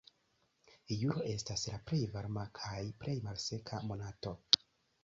Julio estas la plej varma kaj plej malseka monato.